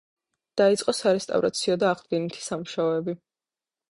დაიწყო სარესტავრაციო და აღდგენითი სამუშაოები.